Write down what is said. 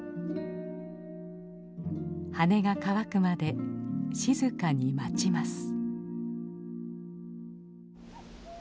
羽が乾くまで静かに待ちます。